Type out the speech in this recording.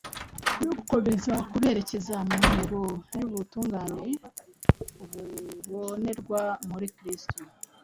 no gukomeza berekeza ku ntego y’ubutungane bubonerwa muri kristo.